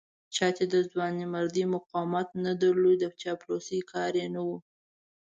چا چې د ځوانمردۍ مقاومت نه درلود د پایلوچۍ کار یې نه و.